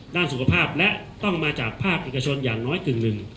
ด้านสุขภาพและต้องมาจากภาคเอกชนอย่างน้อยกึ่งหนึ่ง